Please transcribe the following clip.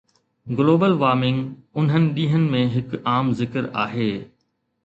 global warming انهن ڏينهن ۾ هڪ عام ذڪر آهي